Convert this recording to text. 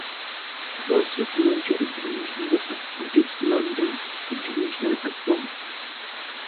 Closest major international airport is London International Airport.